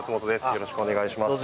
よろしくお願いします。